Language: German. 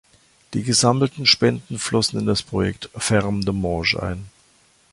Die gesammelten Spenden flossen in das Projekt "Ferme des Mauges" ein.